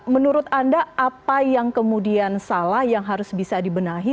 menurut anda apa yang kemudian salah yang harus bisa dibenahi